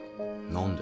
何で？